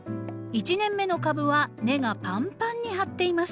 １年目の株は根がパンパンに張っています。